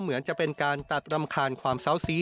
เหมือนจะเป็นการตัดรำคาญความเซาซี